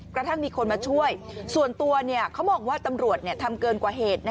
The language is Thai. กระทั่งมีคนมาช่วยส่วนตัวเขามองว่าตำรวจทำเกินกว่าเหตุ